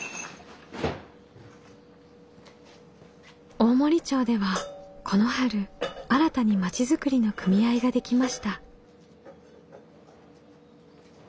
大森町ではこの春新たに町づくりの組合ができました。